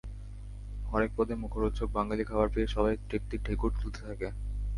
হরেক পদের মুখরোচক বাঙালি খাবার খেয়ে সবাই তৃপ্তির ঢেকুর তুলতে থাকে।